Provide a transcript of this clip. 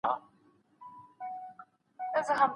ډاکټر د لوړ ږغ سره پاڼه ړنګه کړې ده.